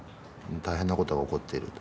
大変なことが起こっていると。